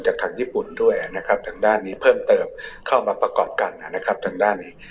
จากทางญี่ปุ่นด้วยนะครับทางด้านนี้เพิ่มเติมเข้ามาประกอบกันนะครับทางด้านนี้